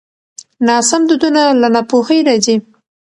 ناسم دودونه له ناپوهۍ راځي.